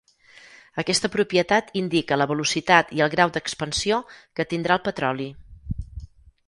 Aquesta propietat indica la velocitat i el grau d'expansió que tindrà el petroli.